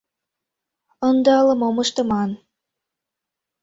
Ынде ала-мом ыштыман.